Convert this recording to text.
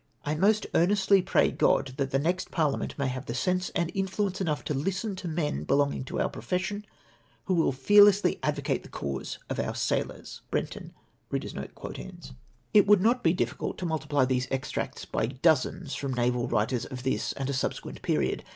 I most earnestly pray Grod that the next parliament may have sense and influence enough to listen to men belonging to our profession who wall fearlessly advocate the cause of our sailors." — (Brenton.) It would not be difficult to multiply these extracts by dozens from naval writers of tliis and a subsequent pei'ie>d.